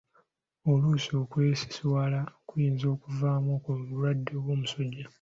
Oluusi okwesisiwala kuyinza okuva ku bulwadde ng’omusujja.